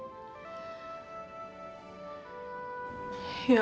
sayangku siapa salah